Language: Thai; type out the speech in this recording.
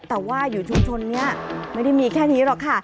แต่ว่าอยู่ชุมชนนี้ไม่ได้มีแค่นี้หรอกค่ะ